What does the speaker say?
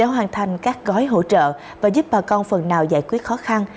hoàn thành các gói hỗ trợ và giúp bà con phần nào giải quyết khó khăn